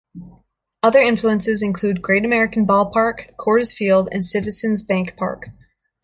Other influences include Great American Ball Park, Coors Field and Citizens Bank Park.